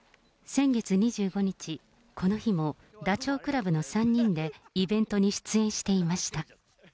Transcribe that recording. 先月２５日、この日もダチョウ倶楽部の３人でイベントに出演していました。